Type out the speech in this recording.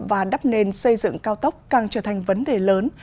và đắp nền xây dựng cao tốc càng trở thành vấn đề lớn